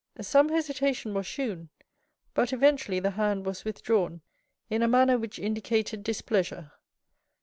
Some hesitation was shewn, but eventually the hand was withdrawn in a manner which indicated displeasure.